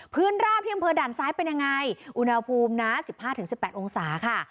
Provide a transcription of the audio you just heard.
ราบที่อำเภอด่านซ้ายเป็นยังไงอุณหภูมินะ๑๕๑๘องศาค่ะ